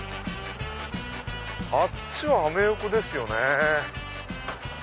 あっちはアメ横ですよね。